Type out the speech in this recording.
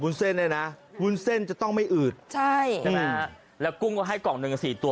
เส้นเนี่ยนะวุ้นเส้นจะต้องไม่อืดใช่ใช่ไหมฮะแล้วกุ้งก็ให้กล่องหนึ่งสี่ตัว